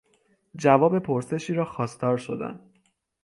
جواب پرسشی را خواستار شدن